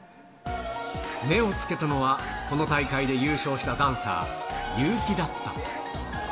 目をつけたのは、この大会で優勝したダンサー、ＹＵーＫＩだった。